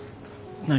何？